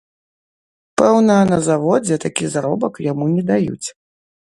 Пэўна, на заводзе такі заробак яму не даюць.